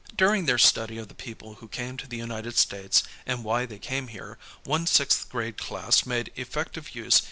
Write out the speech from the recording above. During their study of the peoj)le who came to the United States and why thev came here, one sixth grade class made effective use.